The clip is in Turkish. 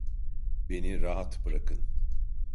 Beni rahat bırakın!